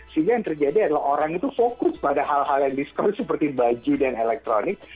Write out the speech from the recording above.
sehingga yang terjadi adalah orang itu fokus pada hal hal yang diskret seperti baju dan elektronik